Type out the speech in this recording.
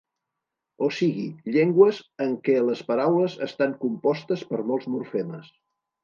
O sigui, llengües en què les paraules estan compostes per molts morfemes.